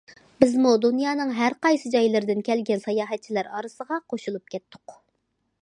بىزمۇ دۇنيانىڭ ھەرقايسى جايلىرىدىن كەلگەن ساياھەتچىلەر ئارىسىغا قوشۇلۇپ كەتتۇق.